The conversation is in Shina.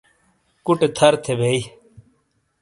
کوٹے تھر تھے بئی